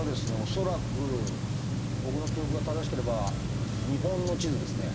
恐らく僕の記憶が正しければ日本の地図ですね。